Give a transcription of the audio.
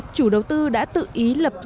chủ đầu tư đã tự ý lập tổng